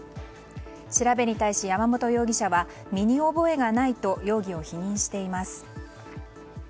調べに対し山本容疑者は身に覚えがないと容疑を否認しています。